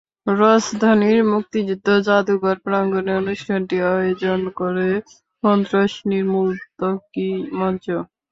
রাজধানীর মুক্তিযুদ্ধ জাদুঘর প্রাঙ্গণে অনুষ্ঠানটি আয়োজন করে সন্ত্রাস নির্মূল ত্বকী মঞ্চ।